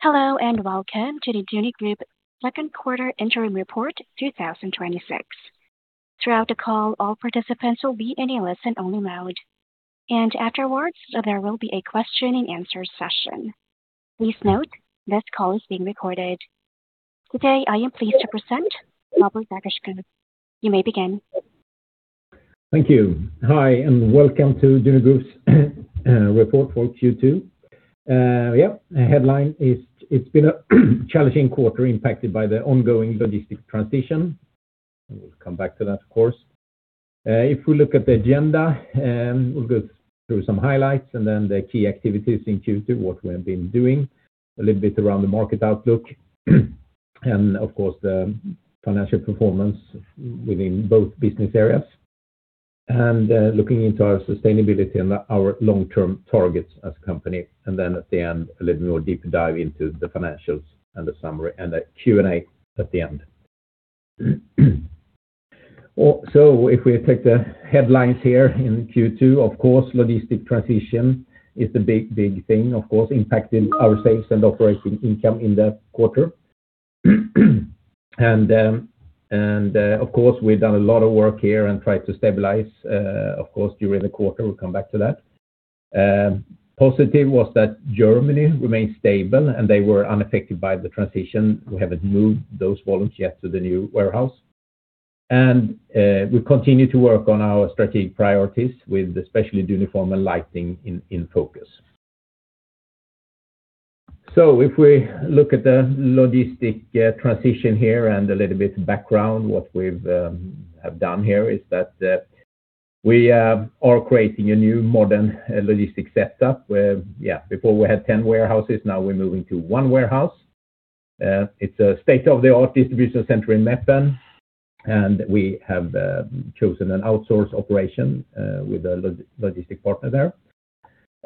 Hello, and welcome to the Duni Group second quarter interim report 2026. Throughout the call, all participants will be in a listen-only mode, and afterwards, there will be a question and answer session. Please note, this call is being recorded. Today, I am pleased to present Robert Dackeskog. You may begin. Thank you. Hi, and welcome to Duni Group's report for Q2. The headline is, it's been a challenging quarter impacted by the ongoing logistic transition. We'll come back to that, of course. If we look at the agenda, we'll go through some highlights and then the key activities in Q2, what we have been doing, a little bit around the market outlook, and of course, the financial performance within both business areas. Looking into our sustainability and our long-term targets as a company. At the end, a little more deeper dive into the financials and the summary, and a Q&A at the end. If we take the headlines here in Q2, of course, logistic transition is the big thing, impacting our sales and operating income in the quarter. Of course, we've done a lot of work here and tried to stabilize during the quarter. We'll come back to that. Positive was that Germany remained stable, and they were unaffected by the transition. We haven't moved those volumes yet to the new warehouse. We continue to work on our strategic priorities with especially Duniform and Lighting in focus. If we look at the logistic transition here and a little bit of background, what we've have done here is that we are creating a new modern logistics setup where before we had 10 warehouses, now we're moving to one warehouse. It's a state-of-the-art distribution center in Meppen, and we have chosen an outsource operation with a logistic partner there.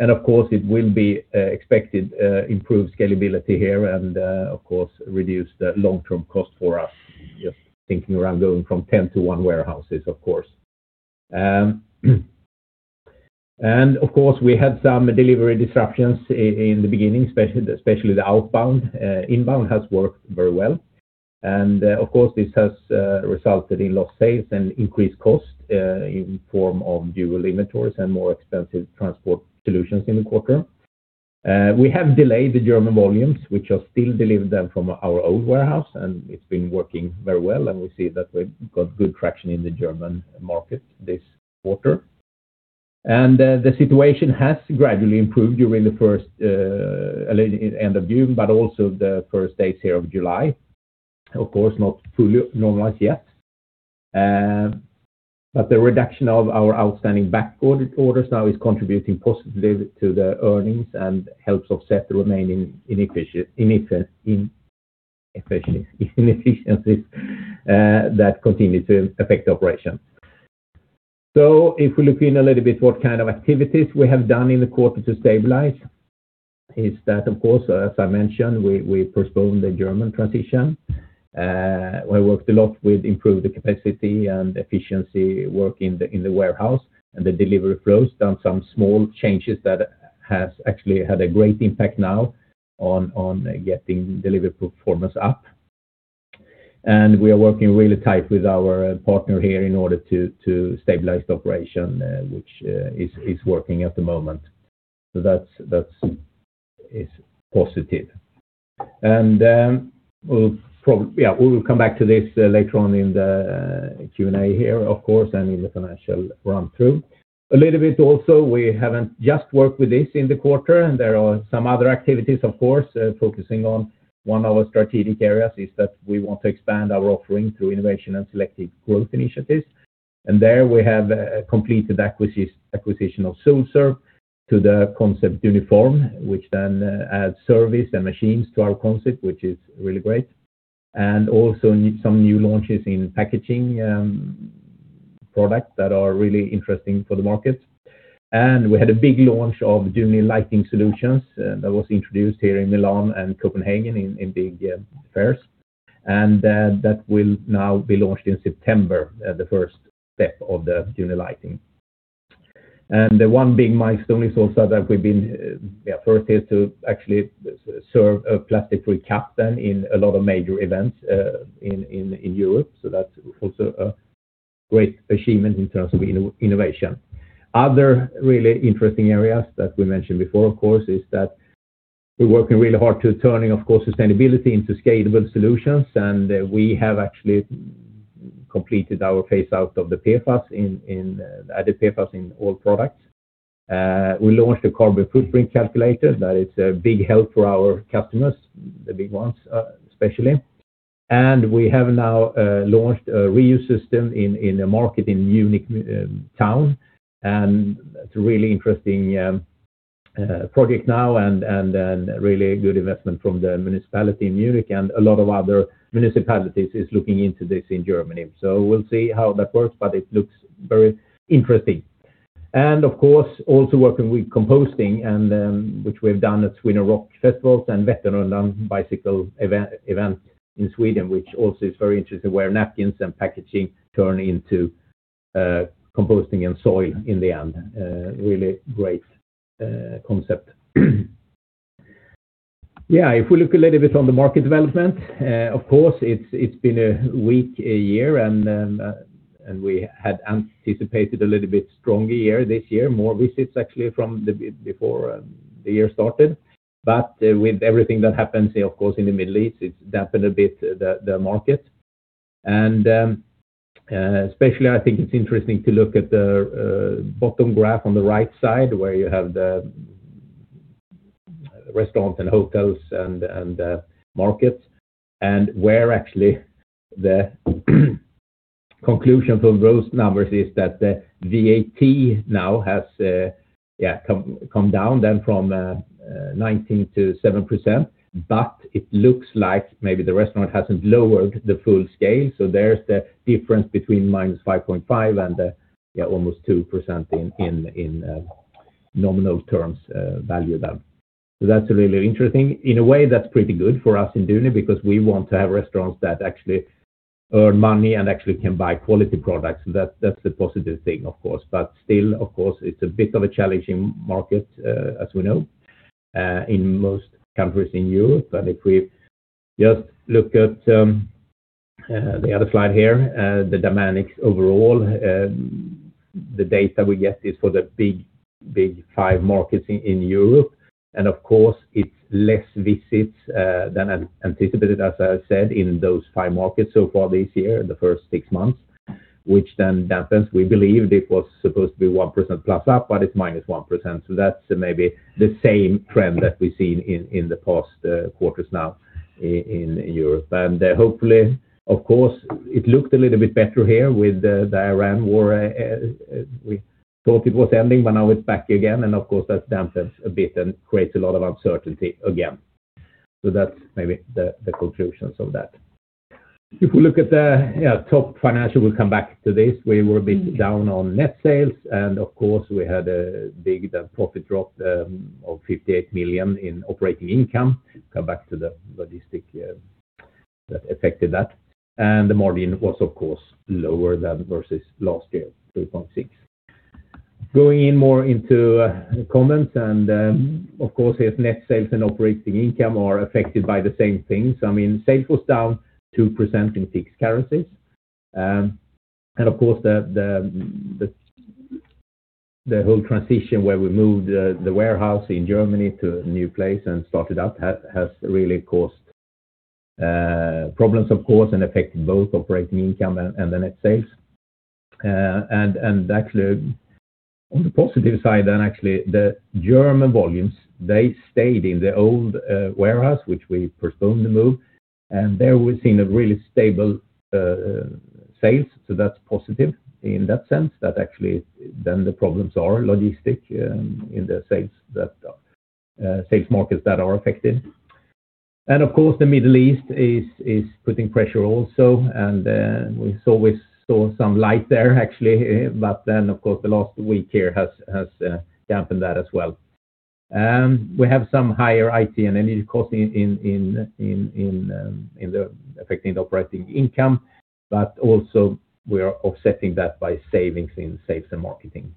Of course, it will be expected improved scalability here and reduce the long-term cost for us, just thinking around going from 10 to one warehouses, of course. We had some delivery disruptions in the beginning, especially the outbound. Inbound has worked very well. This has resulted in lost sales and increased cost in form of dual inventories and more expensive transport solutions in the quarter. We have delayed the German volumes. We are still delivering them from our old warehouse, and it's been working very well, and we see that we've got good traction in the German market this quarter. The situation has gradually improved during the end of June, but also the first days here of July. Of course, not fully normalized yet. But the reduction of our outstanding back orders now is contributing positively to the earnings and helps offset the remaining inefficiencies that continue to affect operations. If we look in a little bit what kind of activities we have done in the quarter to stabilize is that, as I mentioned, we postponed the German transition. We worked a lot with improved the capacity and efficiency work in the warehouse and the delivery flows, done some small changes that has actually had a great impact now on getting delivery performance up. We are working really tight with our partner here in order to stabilize the operation, which is working at the moment. That is positive. We will come back to this later on in the Q&A here and in the financial run-through. A little bit also, we haven't just worked with this in the quarter. There are some other activities, of course, focusing on one of our strategic areas is that we want to expand our offering through innovation and selective growth initiatives. There we have a completed acquisition of Solserv to the concept Duniform, which then adds service and machines to our concept, which is really great. Also some new launches in packaging products that are really interesting for the market. We had a big launch of Duni Lighting Solutions that was introduced here in Milan and Copenhagen in big fairs. That will now be launched in September, the first step of the Duni Lighting. The one big milestone is also that we've been, first is to actually serve a plastic-free cup then in a lot of major events in Europe. That's also a great achievement in terms of innovation. Other really interesting areas that we mentioned before, of course, is that we're working really hard to turning sustainability into scalable solutions, and we have actually completed our phase out of the PFAS in all products. We launched a Carbon Footprint Calculator that is a big help for our customers, the big ones especially. We have now launched a reuse system in a market in Munich town, and it's a really interesting project now and then really good investment from the municipality in Munich and a lot of other municipalities is looking into this in Germany. We'll see how that works, but it looks very interesting. Of course, also working with Composting and which we've done at Sweden Rock Festival and Vätternrundan bicycle event in Sweden, which also is very interesting, where napkins and packaging turn into Composting and soil in the end. A really great concept. If we look a little bit on the market development, of course, it's been a weak year. We had anticipated a little bit stronger year this year, more visits actually from before the year started. With everything that happens there, of course, in the Middle East, it dampened a bit the market. Especially, I think it's interesting to look at the bottom graph on the right side where you have the restaurants and hotels and the markets, and where actually the conclusion from those numbers is that the VAT now has come down then from 19% to 7%, but it looks like maybe the restaurant hasn't lowered the full scale. There's the difference between -5.5% and almost 2% in nominal terms value then. That's really interesting. In a way, that's pretty good for us in Duni because we want to have restaurants that actually earn money and actually can buy quality products. That's the positive thing, of course. Still, of course, it's a bit of a challenging market, as we know, in most countries in Europe. If we just look at the other slide here, the dynamics overall, the data we get is for the big five markets in Europe. Of course, it's less visits than anticipated, as I said, in those five markets so far this year in the first six months, which then dampens. We believed it was supposed to be 1%+ up, but it's -1%. That's maybe the same trend that we've seen in the past quarters now in Europe. Hopefully, of course, it looked a little bit better here with the Ukraine war. We thought it was ending, but now it's back again, and of course, that dampens a bit and creates a lot of uncertainty again. That's maybe the conclusions of that. If we look at the top financial, we'll come back to this. We were a bit down on net sales. Of course, we had a big profit drop of 58 million in operating income. Come back to the logistics that affected that. The margin was, of course, lower than versus last year, 3.6%. Going more into comments. Of course, if net sales and operating income are affected by the same things, sales was down 2% in fixed currencies. Of course, the whole transition where we moved the warehouse in Germany to a new place and started up has really caused problems, of course, and affected both operating income and the net sales. Actually, on the positive side then, actually, the German volumes, they stayed in the old warehouse, which we postponed the move, and there we've seen a really stable sales, so that's positive in that sense that actually then the problems are logistics in the sales markets that are affected. Of course, the Middle East is putting pressure also, and we saw some light there, actually, but then, of course, the last week here has dampened that as well. We have some higher IT and energy costs affecting the operating income, but also we are offsetting that by savings in sales and marketing.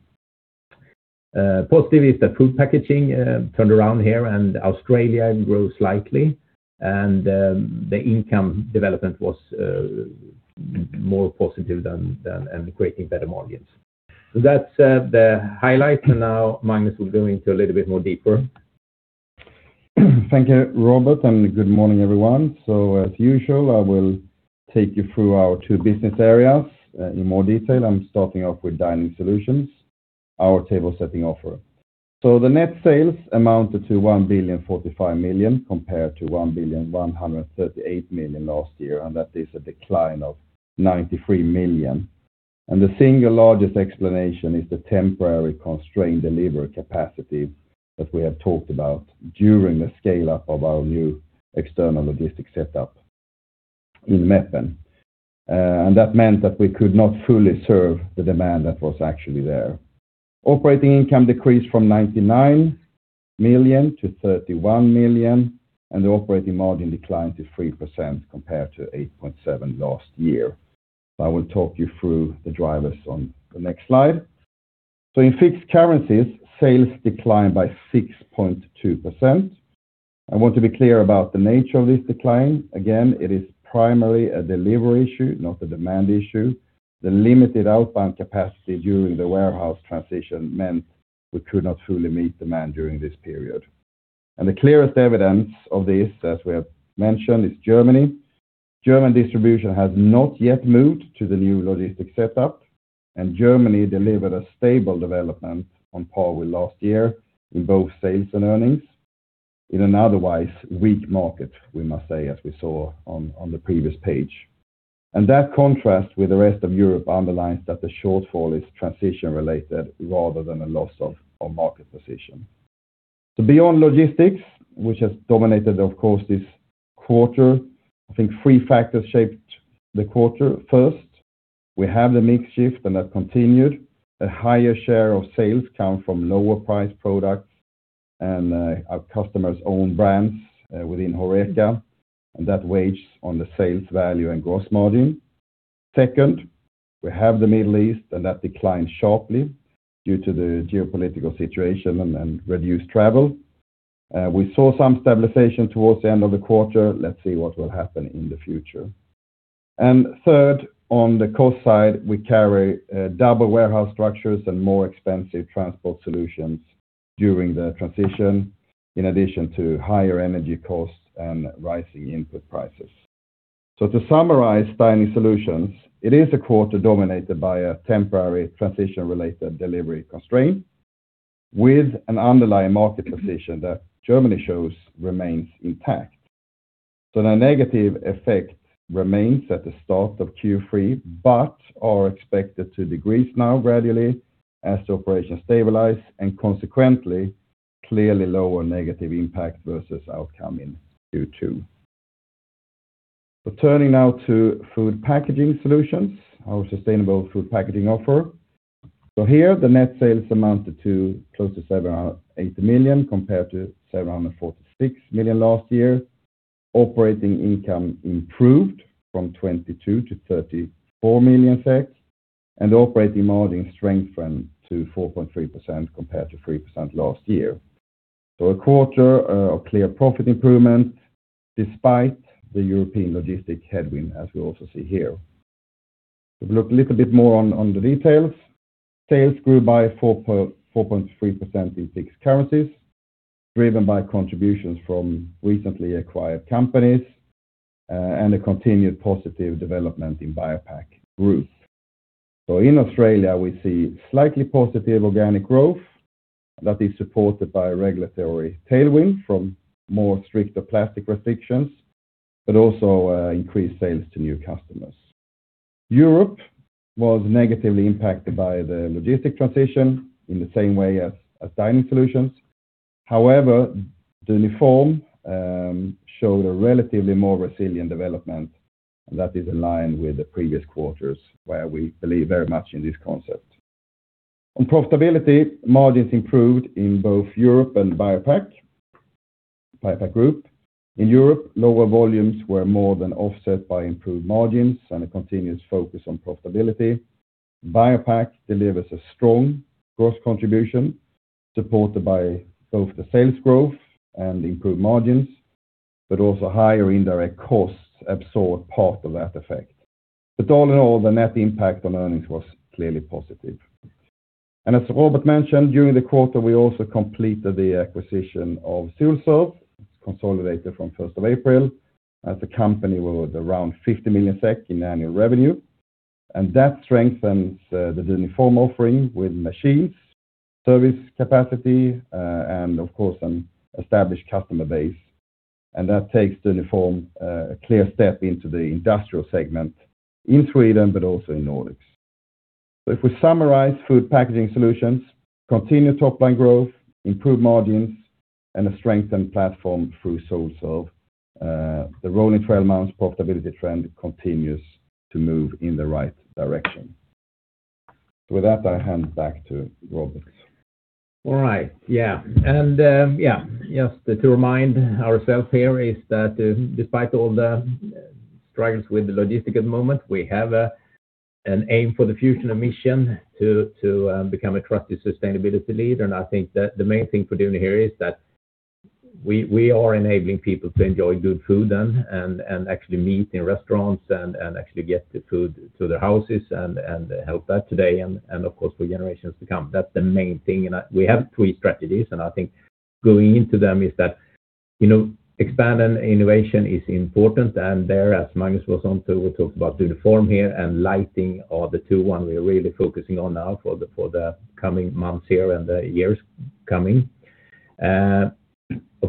Positive is that Food Packaging turned around here and Australia grew slightly, and the income development was more positive and creating better margins. That's the highlights, and now Magnus will go into a little bit more deeper. Thank you, Robert. Good morning, everyone. As usual, I will take you through our two business areas in more detail. I'm starting off with Dining Solutions, our table setting offer. The net sales amounted to 1.045 billion compared to 1.138 billion last year, and that is a decline of 93 million. The single largest explanation is the temporary constrained delivery capacity that we have talked about during the scale-up of our new external logistics setup in Meppen. That meant that we could not fully serve the demand that was actually there. Operating income decreased from 99 million to 31 million, and the operating margin declined to 3% compared to 8.7% last year. I will talk you through the drivers on the next slide. In fixed currencies, sales declined by 6.2%. I want to be clear about the nature of this decline. It is primarily a delivery issue, not a demand issue. The limited outbound capacity during the warehouse transition meant we could not fully meet demand during this period. The clearest evidence of this, as we have mentioned, is Germany. German distribution has not yet moved to the new logistic setup, and Germany delivered a stable development on par with last year in both sales and earnings in an otherwise weak market, we must say, as we saw on the previous page. That contrast with the rest of Europe underlines that the shortfall is transition-related rather than a loss of market position. Beyond logistics, which has dominated, of course, this quarter, I think three factors shaped the quarter. First, we have the mix shift, and that continued. A higher share of sales come from lower priced products. Our customers own brands within HoReCa, and that weighs on the sales value and gross margin. Second, we have the Middle East, and that declined sharply due to the geopolitical situation and reduced travel. We saw some stabilization towards the end of the quarter. Let's see what will happen in the future. Third, on the cost side, we carry double warehouse structures and more expensive transport solutions during the transition, in addition to higher energy costs and rising input prices. To summarize Dining Solutions, it is a quarter dominated by a temporary transition-related delivery constraint with an underlying market position that Germany shows remains intact. The negative effect remains at the start of Q3 but is expected to decrease now gradually as the operations stabilize and consequently, clearly lower negative impact versus outcome in Q2. Turning now to Food Packaging Solutions, our sustainable food packaging offer. Here, the net sales amounted to close to 780 million compared to 746 million last year. Operating income improved from 22 million to 34 million, and operating margin strengthened to 4.3% compared to 3% last year. A quarter of clear profit improvement despite the European logistic headwind, as we also see here. If we look a little bit more on the details, sales grew by 4.3% in fixed currencies, driven by contributions from recently acquired companies and a continued positive development in BioPak Group. In Australia, we see slightly positive organic growth that is supported by a regulatory tailwind from stricter plastic restrictions, but also increased sales to new customers. Europe was negatively impacted by the logistic transition in the same way as Dining Solutions. However, Duniform showed a relatively more resilient development, and that is in line with the previous quarters, where we believe very much in this concept. On profitability, margins improved in both Europe and BioPak Group. In Europe, lower volumes were more than offset by improved margins and a continuous focus on profitability. BioPak delivers a strong gross contribution, supported by both the sales growth and improved margins, but also higher indirect costs absorb part of that effect. All in all, the net impact on earnings was clearly positive. As Robert mentioned, during the quarter, we also completed the acquisition of Solserv. It's consolidated from 1st of April. As a company, we're at around 50 million SEK in annual revenue. That strengthens the Duniform offering with machines, service capacity, and of course, an established customer base. That takes Duniform a clear step into the industrial segment in Sweden, but also in Nordics. If we summarize Food Packaging Solutions, continued top-line growth, improved margins, and a strengthened platform through Solserv. The rolling 12 months profitability trend continues to move in the right direction. With that, I hand back to Robert. All right. Yeah. Just to remind ourselves here is that despite all the struggles with the logistics at the moment, we have an aim for the future, a mission to become a trusted sustainability leader. I think that the main thing for Duni here is that we are enabling people to enjoy good food and actually meet in restaurants and actually get the food to their houses and help that today and of course, for generations to come. That's the main thing. We have three strategies, I think going into them is that expanding innovation is important. There, as Magnus was on to, we talked about Duniform here and Lighting are the two ones we're really focusing on now for the coming months here and the years coming.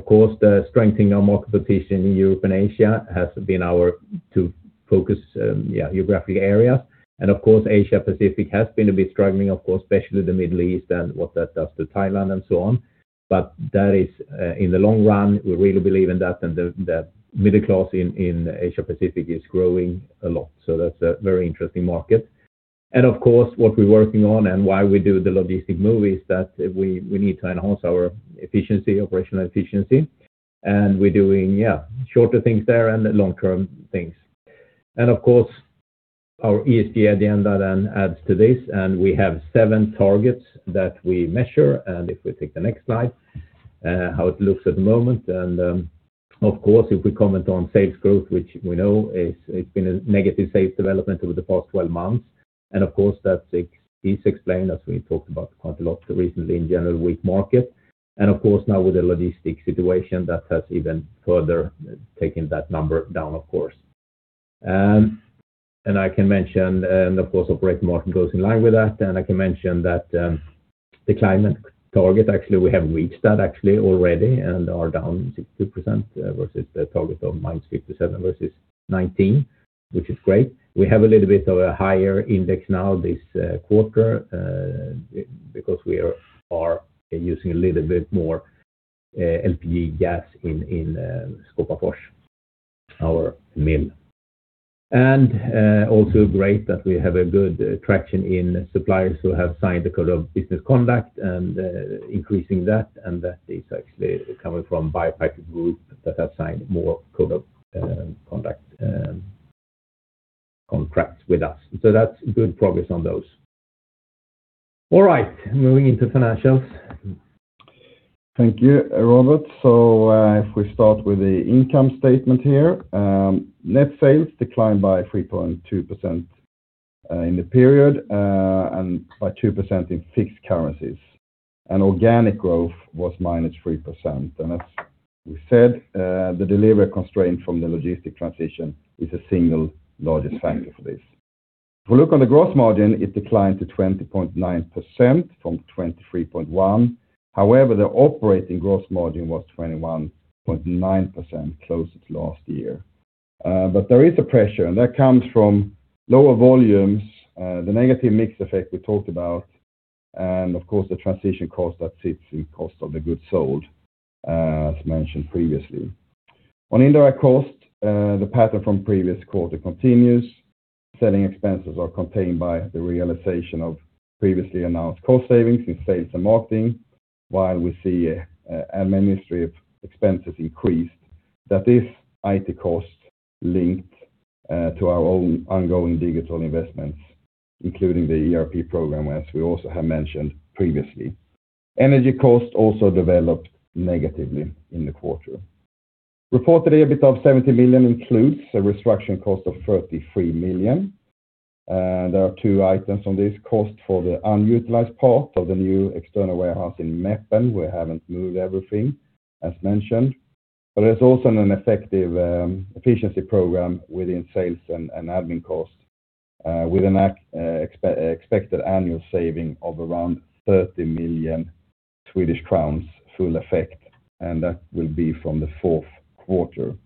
The strengthening our market position in Europe and Asia has been our two focus geographic areas. Asia Pacific has been a bit struggling, of course, especially the Middle East and what that does to Thailand and so on. That is in the long run, we really believe in that, and the middle class in Asia Pacific is growing a lot. That's a very interesting market. What we're working on and why we do the logistics move is that we need to enhance our operational efficiency. We're doing shorter things there and long-term things. Our ESG agenda then adds to this, and we have seven targets that we measure, and if we take the next slide, how it looks at the moment. If we comment on sales growth, which we know it's been a negative sales development over the past 12 months. That is explained, as we talked about quite a lot recently, in general weak market. Now with the logistics situation, that has even further taken that number down, of course. I can mention, and of course, operating margin goes in line with that, and I can mention that the climate target, actually, we have reached that actually already and are down 62% versus the target of -57% versus 2019, which is great. We have a little bit of a higher index now this quarter because we are using a little bit more LPG gas in Skåpafors, our mill. Also great that we have a good traction in suppliers who have signed the Code of Business Conduct and increasing that, and that is actually coming from BioPak Group that have signed more code of conduct contracts with us. That is good progress on those. All right, moving into financials. Thank you, Robert. If we start with the income statement here. Net sales declined by 3.2% in the period and by 2% in fixed currencies, organic growth was -3%. As we said, the delivery constraint from the logistic transition is the single largest factor for this. If we look on the gross margin, it declined to 20.9% from 23.1%. However, the operating gross margin was 21.9%, close to last year. There is a pressure, that comes from lower volumes, the negative mix effect we talked about, and of course, the transition cost that sits in cost of the goods sold, as mentioned previously. On indirect cost, the pattern from previous quarter continues. Selling expenses are contained by the realization of previously announced cost savings in sales and marketing, while we see administrative expenses increased. That is IT costs linked to our own ongoing digital investments, including the ERP program, as we also have mentioned previously. Energy cost also developed negatively in the quarter. Reported EBITDA of 70 million includes a restructuring cost of 33 million. There are two items on this cost for the unutilized part of the new external warehouse in Meppen. We haven't moved everything, as mentioned. There is also an effective efficiency program within sales and admin costs with an expected annual saving of around 30 million Swedish crowns full effect, that will be from the fourth quarter.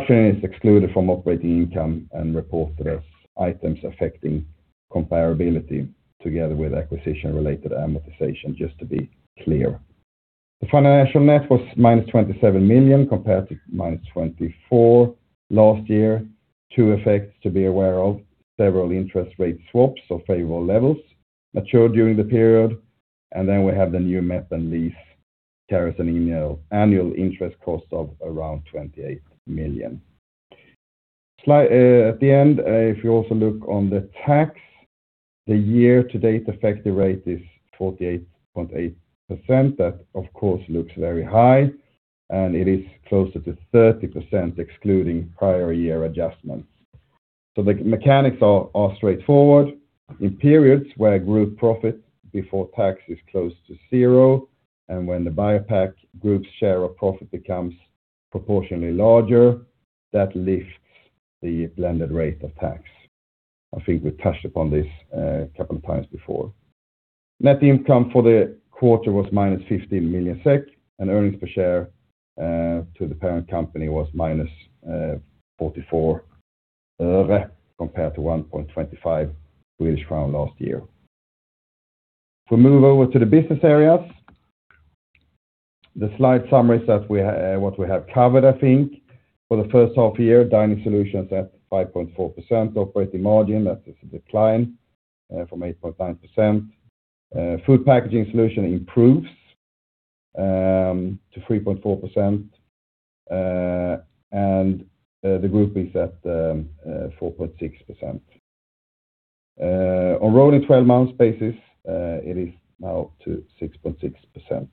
The restructuring is excluded from operating income and reported as items affecting comparability together with acquisition-related amortization, just to be clear. The financial net was -27 million compared to -24 million last year. Two effects to be aware of, several interest rate swaps of favorable levels matured during the period, we have the new Meppen lease carries an annual interest cost of around 28 million. At the end, if you also look on the tax, the year-to-date effective rate is 48.8%. That, of course, looks very high, and it is closer to 30%, excluding prior year adjustments. The mechanics are straightforward. In periods where group profit before tax is close to zero, and when the BioPak Group’s share of profit becomes proportionally larger, that lifts the blended rate of tax. I think we touched upon this a couple of times before. Net income for the quarter was -15 million SEK, and earnings per share to the parent company was -0.44 compared to 1.25 crown last year. If we move over to the business areas, the slide summaries what we have covered, I think, for the first half year, Dining Solutions at 5.4% operating margin. That is a decline from 8.9%. Food Packaging Solutions improves to 3.4%, and the group is at 4.6%. On rolling 12 months basis, it is now to 6.6%.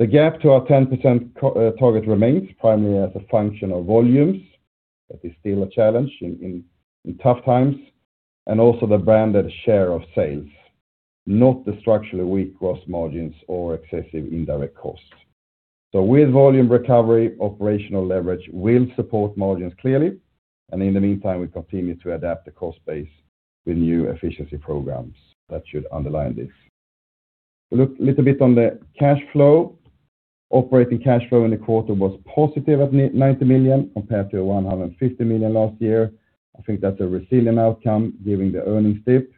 The gap to our 10% target remains primarily as a function of volumes. That is still a challenge in tough times, and also the branded share of sales, not the structurally weak gross margins or excessive indirect costs. With volume recovery, operational leverage will support margins clearly. In the meantime, we continue to adapt the cost base with new efficiency programs that should underline this. We look a little bit on the cash flow. Operating cash flow in the quarter was positive at 90 million compared to 150 million last year. I think that's a resilient outcome given the earnings dip,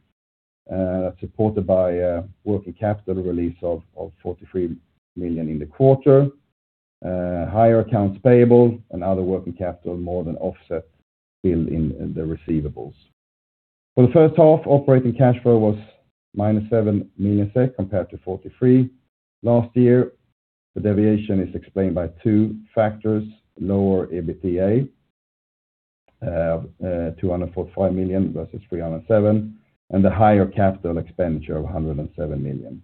supported by a working capital release of 43 million in the quarter. Higher accounts payable and other working capital more than offset build in the receivables. For the first half, operating cash flow was -7 million SEK compared to 43 million last year. The deviation is explained by two factors: lower EBITDA of 245 million versus 307 million, and the higher capital expenditure of 107 million.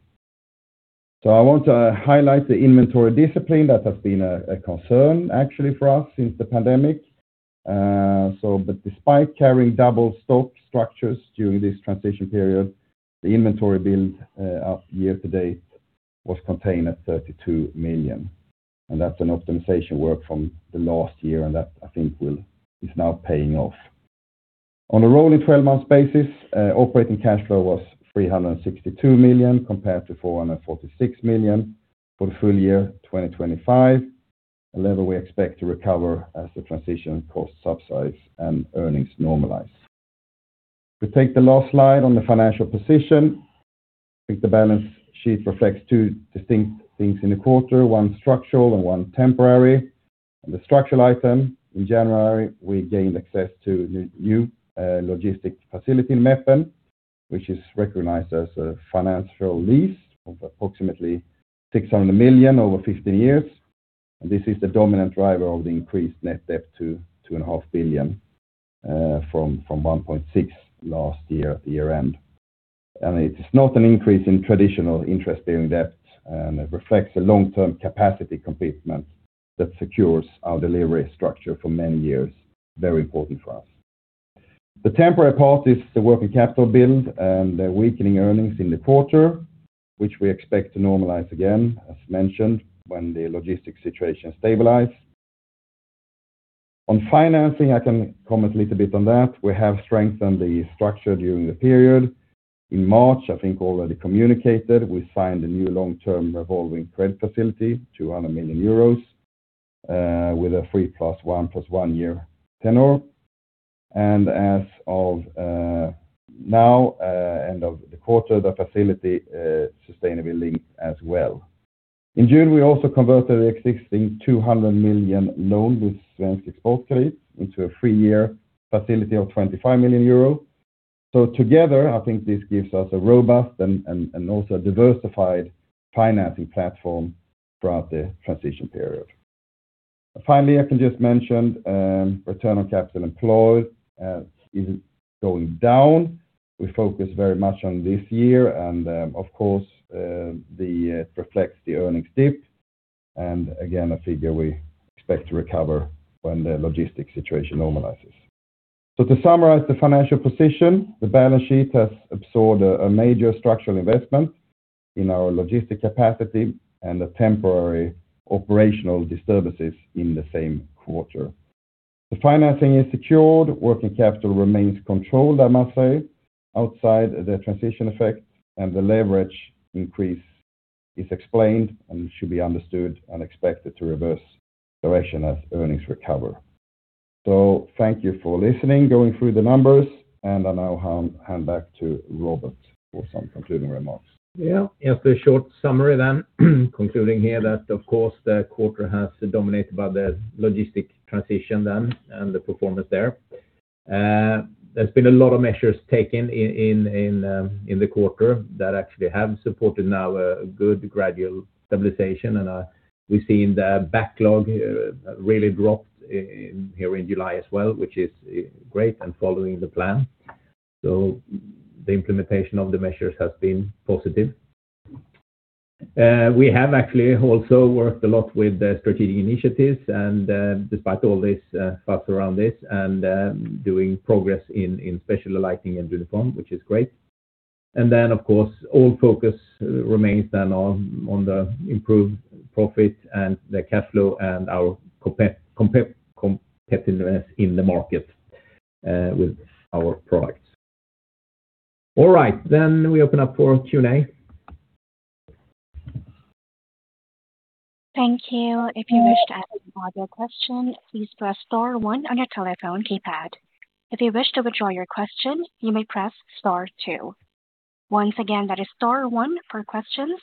I want to highlight the inventory discipline that has been a concern actually for us since the pandemic. Despite carrying double stock structures during this transition period, the inventory build up year to date was contained at 32 million. That's an optimization work from the last year, and that I think is now paying off. On a rolling 12 months basis, operating cash flow was 362 million compared to 446 million for the full year 2025, a level we expect to recover as the transition costs subside and earnings normalize. We take the last slide on the financial position. I think the balance sheet reflects two distinct things in the quarter, one structural and one temporary. The structural item, in January, we gained access to the new logistics facility in Meppen, which is recognized as a financial lease of approximately 600 million over 15 years. This is the dominant driver of the increased net debt to 2.5 billion, from 1.6 billion last year at the year-end. It is not an increase in traditional interest-bearing debt. It reflects a long-term capacity commitment that secures our delivery structure for many years. Very important for us. The temporary part is the working capital build and the weakening earnings in the quarter, which we expect to normalize again, as mentioned, when the logistics situation stabilizes. On financing, I can comment a little bit on that. We have strengthened the structure during the period. In March, I think already communicated, we signed a new long-term revolving credit facility, 200 million euros, with a three plus one plus one year tenure. As of now, end of the quarter, the facility is sustainable as well. In June, we also converted the existing 200 million loan with Svensk Exportkredit into a three-year facility of 25 million euros. Together, I think this gives us a robust and also a diversified financing platform throughout the transition period. Finally, I can just mention return on capital employed is going down. We focus very much on this year, and of course, it reflects the earnings dip, and again, a figure we expect to recover when the logistics situation normalizes. To summarize the financial position, the balance sheet has absorbed a major structural investment in our logistics capacity and the temporary operational disturbances in the same quarter. The financing is secured, working capital remains controlled, I must say, outside the transition effect, and the leverage increase is explained and should be understood and expected to reverse direction as earnings recover. Thank you for listening, going through the numbers, and I now hand back to Robert for some concluding remarks. Yes. Just a short summary then. Concluding here that, of course, the quarter has been dominated by the logistics transition then and the performance there. There's been a lot of measures taken in the quarter that actually have supported now a good gradual stabilization, and we've seen the backlog really dropped here in July as well, which is great and following the plan. The implementation of the measures has been positive. We have actually also worked a lot with the strategic initiatives, and despite all this fuss around this and doing progress in especially Lighting and Duniform, which is great. Of course, all focus remains then on the improved profit and the cash flow and our competitiveness in the market with our products. All right. We open up for Q&A. Thank you. If you wish to ask an audio question, please press star one on your telephone keypad. If you wish to withdraw your question, you may press star two. Once again, that is star one for questions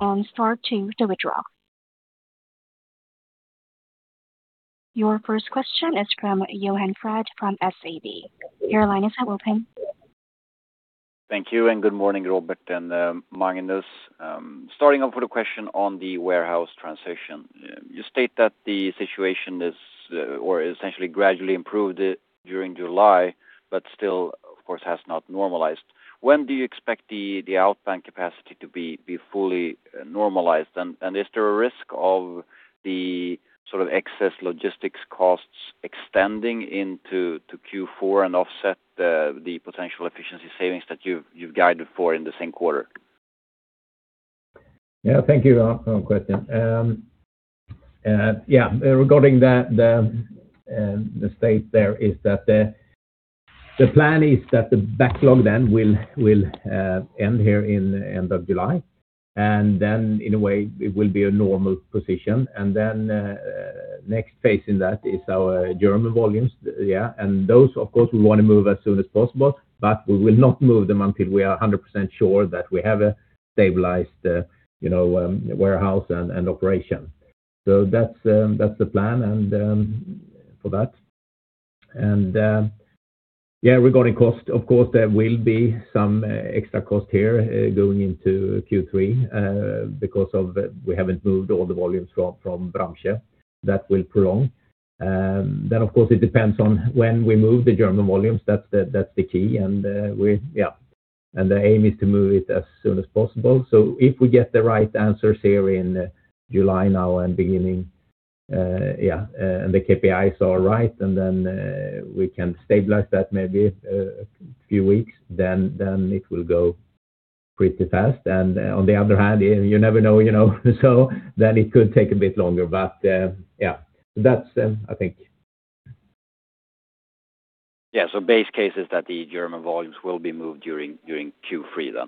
and star two to withdraw. Your first question is from Johan Fred from SEB. Your line is now open. Thank you, and good morning, Robert and Magnus. Starting off with a question on the warehouse transition. You state that the situation has essentially gradually improved during July, but still, of course, has not normalized. When do you expect the outbound capacity to be fully normalized? Is there a risk of the excess logistics costs extending into Q4 and offset the potential efficiency savings that you've guided for in the same quarter? Yeah. Thank you for your question. Regarding the state there is that the plan is that the backlog then will end here in end of July, in a way, it will be a normal position. Next phase in that is our German volumes. Those, of course, we want to move as soon as possible, but we will not move them until we are 100% sure that we have a stabilized warehouse and operation. That's the plan for that. Regarding cost, of course, there will be some extra cost here going into Q3 because we haven't moved all the volumes from Bramsche. That will prolong. Of course, it depends on when we move the German volumes. That's the key. The aim is to move it as soon as possible. If we get the right answers here in July now and beginning, and the KPIs are all right, then we can stabilize that maybe a few weeks, then it will go pretty fast. On the other hand, you never know. It could take a bit longer. That's I think. Yeah. Base case is that the German volumes will be moved during Q3 then?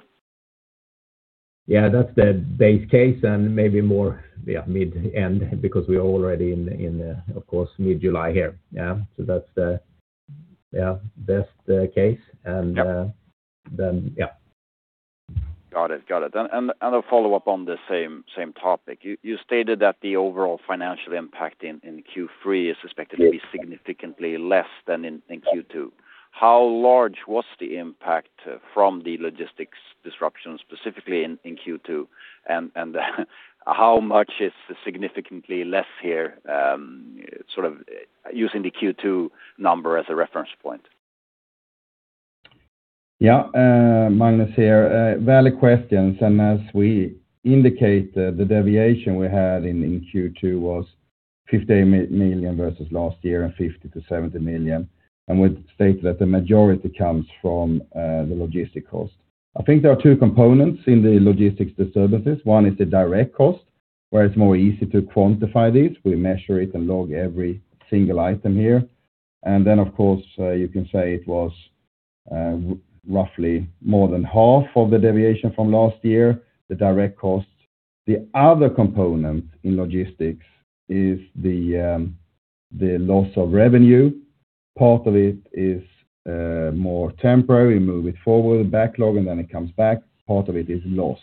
Yeah, that's the base case and maybe more mid end because we are already in, of course, mid-July here. Yeah. That's the best case. Got it. A follow-up on the same topic. You stated that the overall financial impact in Q3 is suspected to be significantly less than in Q2. How large was the impact from the logistics disruptions, specifically in Q2? How much is significantly less here, using the Q2 number as a reference point? Magnus here. Valid questions, as we indicate, the deviation we had in Q2 was 50 million versus last year and 50 million-70 million. We'd state that the majority comes from the logistic cost. I think there are two components in the logistics disturbances. One is the direct cost, where it's more easy to quantify this. We measure it and log every single item here. Then, of course, you can say it was roughly more than half of the deviation from last year, the direct cost. The other component in logistics is the loss of revenue. Part of it is more temporary. We move it forward, backlog, and then it comes back. Part of it is lost.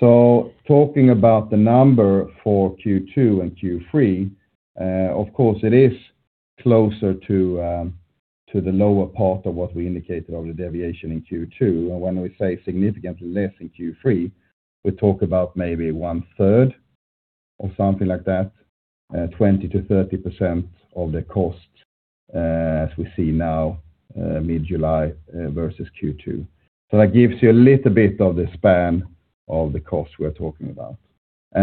Talking about the number for Q2 and Q3, of course, it is closer to the lower part of what we indicated on the deviation in Q2. When we say significantly less in Q3, we talk about maybe one third or something like that, 20%-30% of the cost as we see now mid-July versus Q2. That gives you a little bit of the span of the cost we're talking about.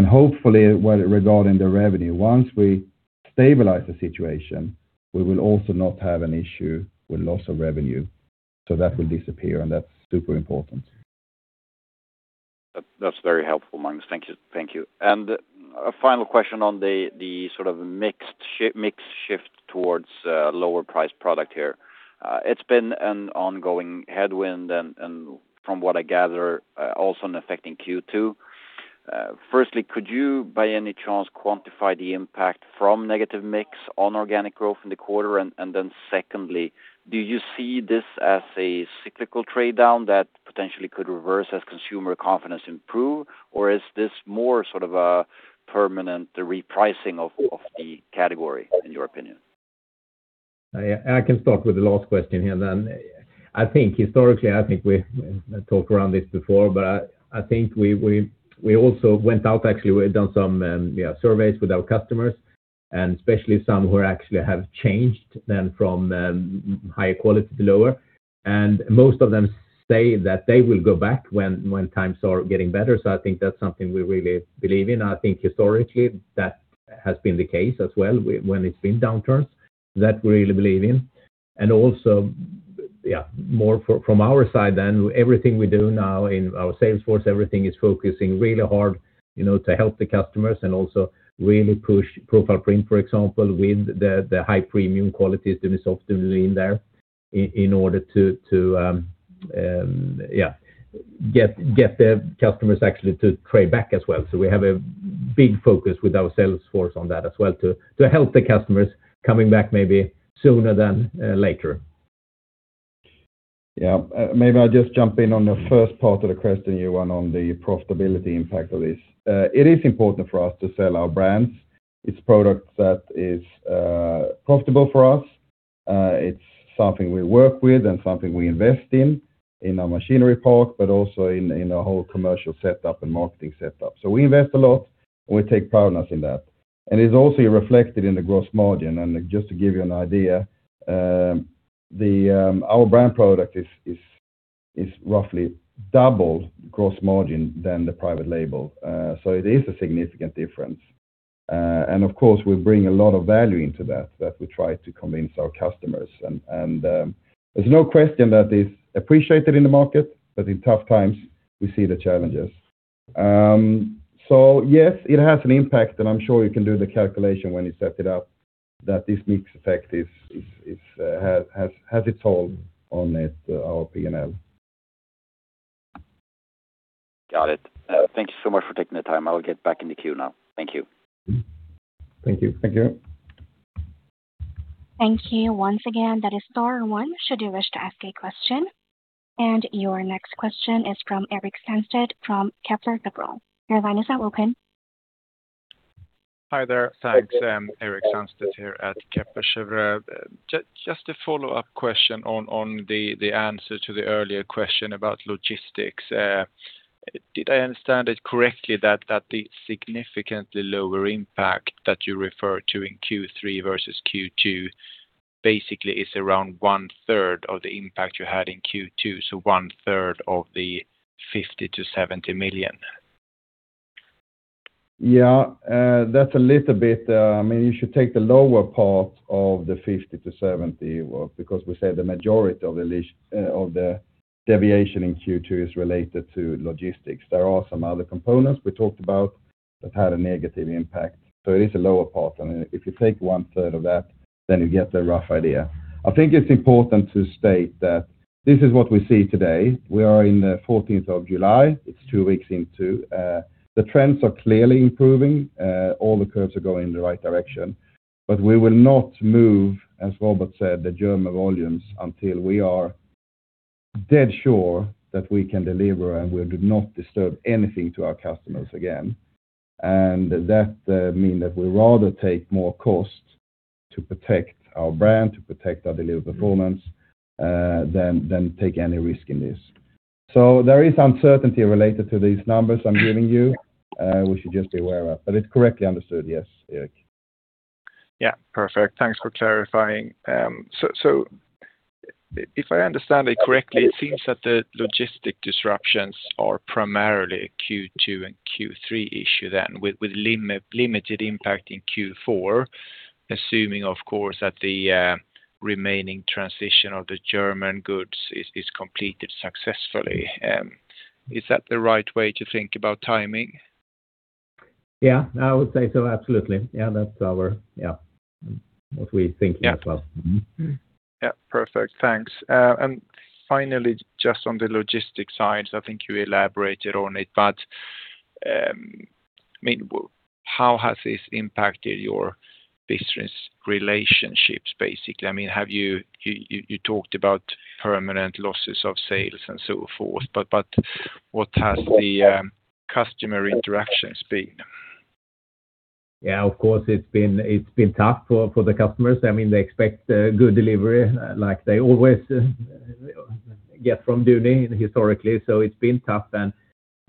Hopefully regarding the revenue, once we stabilize the situation, we will also not have an issue with loss of revenue. That will disappear, and that's super important. That's very helpful, Magnus. Thank you. A final question on the mixed shift towards lower price product here. It's been an ongoing headwind and from what I gather, also affecting Q2. Firstly, could you by any chance quantify the impact from negative mix on organic growth in the quarter? Then secondly, do you see this as a cyclical trade-down that potentially could reverse as consumer confidence improve or is this more a permanent repricing of the category in your opinion? I can start with the last question here then. Historically, I think we talked around this before, but I think we also went out actually. We've done some surveys with our customers and especially some who actually have changed then from higher quality to lower. Most of them say that they will go back when times are getting better. I think that's something we really believe in. I think historically that has been the case as well when it's been downturns. That we really believe in. Also more from our side then, everything we do now in our sales force, everything is focusing really hard to help the customers and also really push Profile Print, for example, with the high premium quality that is optimally in there in order to get the customers actually to trade back as well. We have a big focus with our sales force on that as well to help the customers coming back maybe sooner than later. Yeah. Maybe I'll just jump in on the first part of the question you want on the profitability impact of this. It is important for us to sell our brands. It's product that is profitable for us. It's something we work with and something we invest in our machinery park, but also in our whole commercial setup and marketing setup. We invest a lot and we take pride in that. It's also reflected in the gross margin. Just to give you an idea, our brand product is roughly double gross margin than the private label. It is a significant difference. Of course, we bring a lot of value into that we try to convince our customers. There's no question that it's appreciated in the market, but in tough times, we see the challenges. Yes, it has an impact and I'm sure you can do the calculation when you set it up that this mix effect has its hold on it, our P&L. Got it. Thank you so much for taking the time. I will get back in the queue now. Thank you. Thank you. Thank you. Thank you once again. That is star one should you wish to ask a question. Your next question is from Erik Sandstedt from Kepler Cheuvreux. Your line is now open. Hi there. Thanks. Erik Sandstedt here at Kepler Cheuvreux. Just a follow-up question on the answer to the earlier question about logistics. Did I understand it correctly that the significantly lower impact that you refer to in Q3 versus Q2 basically is around one third of the impact you had in Q2? One third of the 50 million-70 million? You should take the lower part of the 50 million-70 million because we said the majority of the deviation in Q2 is related to logistics. There are some other components we talked about that had a negative impact. It is a lower part, and if you take one third of that, then you get the rough idea. I think it is important to state that this is what we see today. We are in the 14th of July. It is two weeks into. The trends are clearly improving. All the curves are going in the right direction. We will not move, as Robert said, the German volumes until we are dead sure that we can deliver, and we would not disturb anything to our customers again. That means that we would rather take more cost to protect our brand, to protect our delivery performance, than take any risk in this. There is uncertainty related to these numbers I am giving you we should just be aware of. It is correctly understood, yes, Erik. Perfect. Thanks for clarifying. If I understand it correctly, it seems that the logistic disruptions are primarily a Q2 and Q3 issue then, with limited impact in Q4, assuming, of course, that the remaining transition of the German goods is completed successfully. Is that the right way to think about timing? Yeah, I would say so absolutely. Yeah, that's what we think as well. Yeah. Perfect. Thanks. Finally, just on the logistics side, I think you elaborated on it, but how has this impacted your business relationships? You talked about permanent losses of sales and so forth, but what has the customer interactions been? Of course, it's been tough for the customers. They expect good delivery like they always get from Duni historically. It's been tough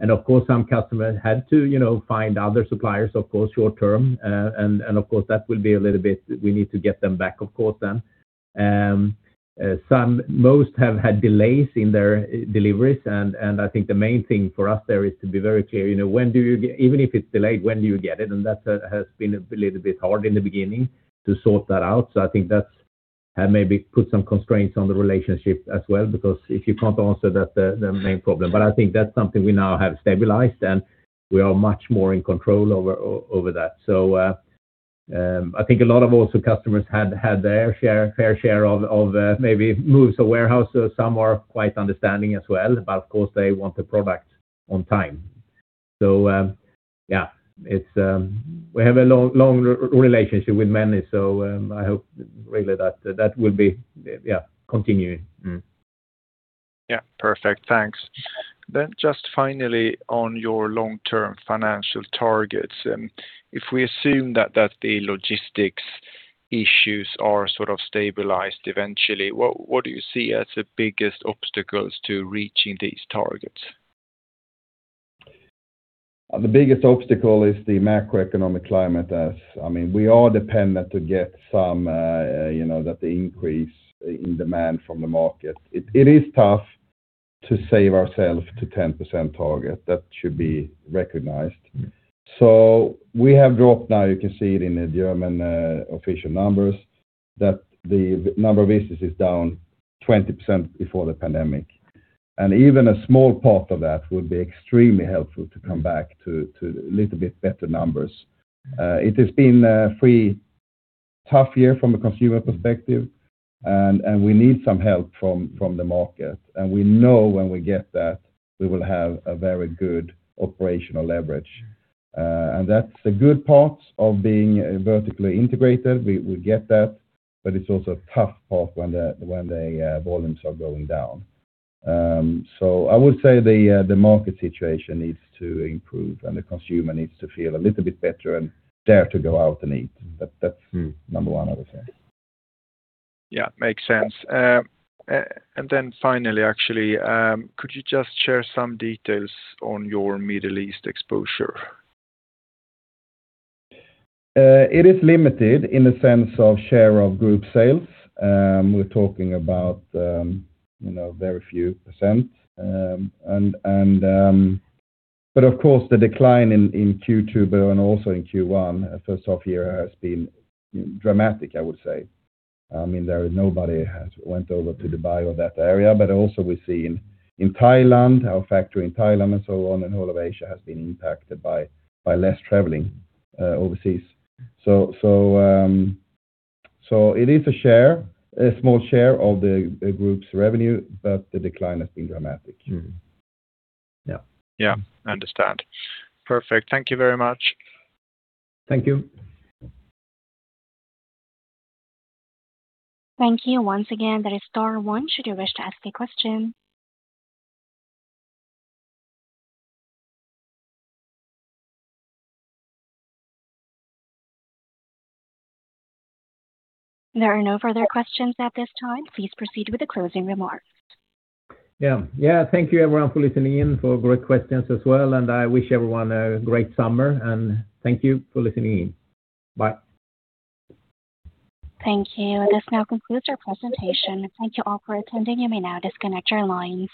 and, of course, some customers had to find other suppliers, of course, short term. Of course, we need to get them back, of course, then. Most have had delays in their deliveries, I think the main thing for us there is to be very clear, even if it's delayed, when do you get it? That has been a little bit hard in the beginning to sort that out. I think that's maybe put some constraints on the relationship as well, because if you can't answer that, the main problem. I think that's something we now have stabilized, and we are much more in control over that. I think a lot of also customers had their fair share of maybe moves or warehouses. Some are quite understanding as well, but of course they want the product on time. Yeah, we have a long relationship with many, so I hope really that that will be continuing. Yeah. Perfect. Thanks. Just finally on your long-term financial targets, if we assume that the logistics issues are sort of stabilized eventually, what do you see as the biggest obstacles to reaching these targets? The biggest obstacle is the macroeconomic climate as we are dependent to get some that the increase in demand from the market. It is tough to save ourself to 10% target. That should be recognized. We have dropped now, you can see it in the German official numbers, that the number of visits is down 20% before the pandemic. Even a small part of that would be extremely helpful to come back to little bit better numbers. It has been a pretty tough year from a consumer perspective, and we need some help from the market. We know when we get that, we will have a very good operational leverage. That's the good part of being vertically integrated. We get that, but it's also a tough part when the volumes are going down. I would say the market situation needs to improve, and the consumer needs to feel a little bit better and dare to go out and eat. That's number one, I would say. Yeah, makes sense. Finally, actually, could you just share some details on your Middle East exposure? It is limited in the sense of share of Group sales. We're talking about very few percent. Of course, the decline in Q2 and also in Q1 first of year has been dramatic, I would say. Nobody has went over to Dubai or that area, but also we see in Thailand, our factory in Thailand and so on, and all of Asia has been impacted by less traveling overseas. It is a small share of the Group's revenue, but the decline has been dramatic. Yeah. Understand. Perfect. Thank you very much. Thank you. Thank you once again. That is star one should you wish to ask a question. There are no further questions at this time. Please proceed with the closing remarks. Yeah. Thank you everyone for listening in, for great questions as well, and I wish everyone a great summer, and thank you for listening in. Bye. Thank you. This now concludes our presentation. Thank you all for attending. You may now disconnect your lines.